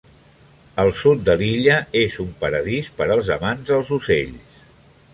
El sud de l'illa és un paradís per als amants dels ocells.